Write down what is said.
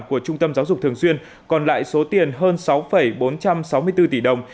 của trung tâm giáo dục thường xuyên còn lại số tiền hơn sáu bốn trăm sáu mươi bốn tỷ đồng